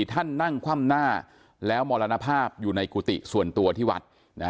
ท่านนั่งคว่ำหน้าแล้วมรณภาพอยู่ในกุฏิส่วนตัวที่วัด